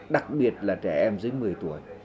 đặc biệt là trẻ em dưới một mươi tuổi